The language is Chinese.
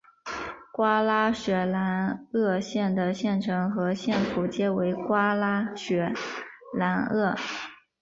瓜拉雪兰莪县的县城和县府皆为瓜拉雪兰莪。